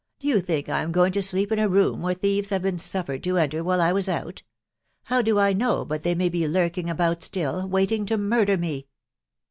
• Do you think 1 an going to sleep in a room where thieves have been suffered is enter while I was out ?.... How do I know but they may be lurking about still, waiting to murder me